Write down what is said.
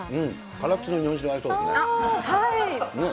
辛口の日本酒に合いそうです